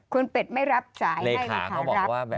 คุณเป็ดไม่รับจ่ายให้